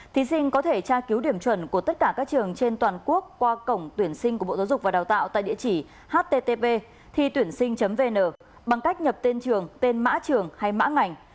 thí sinh có thể tra cứu điểm chuẩn của tất cả các trường trên toàn quốc qua cổng tuyển sinh của bộ giáo dục và đào tạo tại địa chỉ http thi tuyển sinh vn bằng cách nhập tên trường tên mã trường hay mã ngành